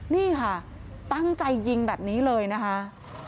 นี่ค่ะตั้งใจยิงแบบนี้เลยนะคะ